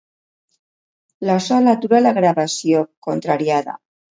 La Sol atura la gravació, contrariada.